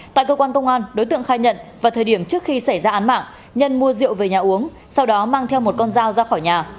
tại cơ quan công an đối tượng khai nhận vào thời điểm trước khi xảy ra án mạng nhân mua rượu về nhà uống sau đó mang theo một con dao ra khỏi nhà